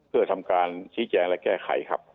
เพื่อทำการชี้แจงและแก้ไขครับ